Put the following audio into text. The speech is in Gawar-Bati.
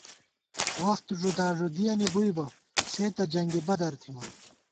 وخت ݫُداݫُدِیَنی بُوئی بہ ، سے تہ جنگِ بدَر تھِمان